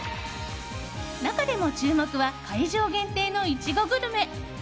中でも注目は会場限定のイチゴグルメ。